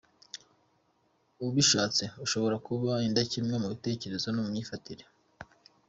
Ubishatse ushobora kuba indakemwa mu mitekerereze no mu myifatire.